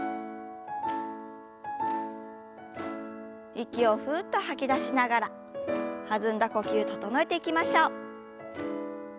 息をふっと吐き出しながら弾んだ呼吸整えていきましょう。